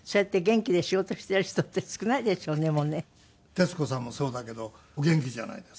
徹子さんもそうだけどお元気じゃないですか。